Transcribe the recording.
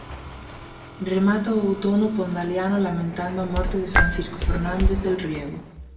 Remata o outono pondaliano lamentando a morte de Francisco Fernández del Riego.